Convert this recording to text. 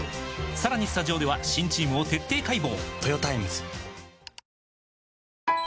さらにスタジオでは新チームを徹底解剖！